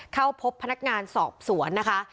เข้าพบพนักงานสอบสวนนะคะ